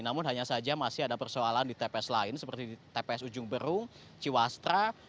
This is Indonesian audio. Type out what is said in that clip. namun hanya saja masih ada persoalan di tps lain seperti di tps ujung berung ciwastra